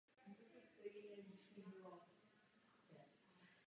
Ty volby byly politickým kompromisem, nebyly však demokratické.